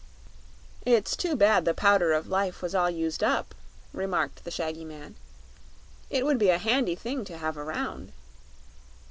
"It's too bad the Powder of Life was all used up," remarked the shaggy man; "it would be a handy thing to have around."